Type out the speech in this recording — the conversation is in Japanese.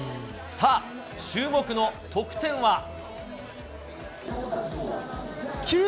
さあ、注目の得点は？